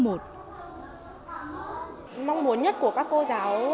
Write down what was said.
mong muốn nhất của các cô giáo